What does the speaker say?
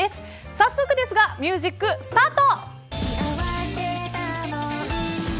早速ですがミュージックスタート。